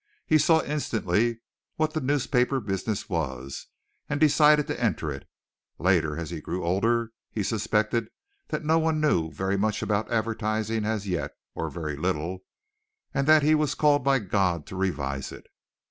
He saw instantly what the newspaper business was, and decided to enter it. Later, as he grew older, he suspected that no one knew very much about advertising as yet, or very little, and that he was called by God to revise it.